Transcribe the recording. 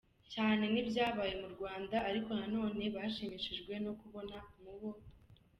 cyane nibyabaye mu Rwanda, ariko ko na none bashimishijwe no kubona mubo.